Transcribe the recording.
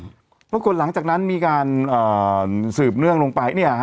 อืมแล้วก็หลังจากนั้นมีการเอ่อสืบเนื่องลงไปเนี้ยฮะ